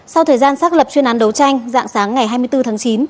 sau thời gian xác lập chuyên án đấu tranh dạng sáng ngày hai mươi bốn tháng chín